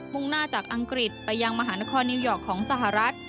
่งหน้าจากอังกฤษไปยังมหานครนิวยอร์กของสหรัฐ